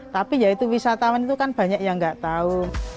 tapi ya itu wisatawan itu kan banyak yang nggak tahu